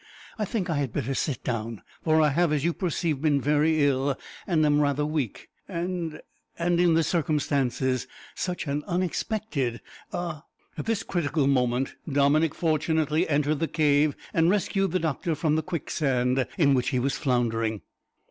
I think I had better sit down, for I have, as you perceive, been very ill, and am rather weak, and and in the circumstances such an unexpected a " At this critical moment Dominick fortunately entered the cave, and rescued the doctor from the quicksand, in which he was floundering.